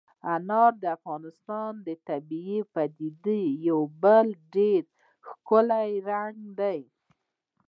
انار د افغانستان د طبیعي پدیدو یو بل ډېر ښکلی رنګ دی.